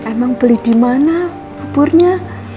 emang beli dimana buburnya